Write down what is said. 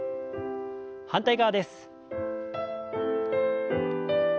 反対側です。